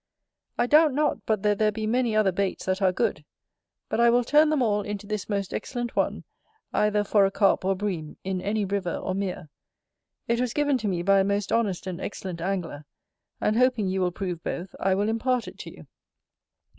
I doubt not but that there be many other baits that are good; but I will turn them all into this most excellent one, either for a Carp or Bream, in any river or mere: it was given to me by a most honest and excellent angler; and hoping you will prove both, I will impart it to you.